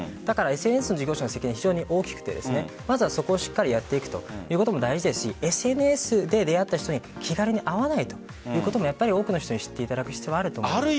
ＳＮＳの事業者の責任は非常に大きくてそこをしっかりやっていくということも大事ですしＳＮＳで出会った人に気軽に会わないということも多くの人に知っていただく必要はあります。